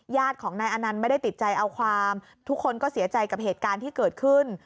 ญาติของนายอนันต์ไม่ได้ติดใจเอาความทุกคนก็เสียใจกับเหตุการณ์ที่เกิดขึ้น